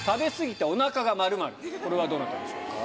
これはどなたでしょうか？